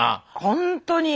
ほんとに。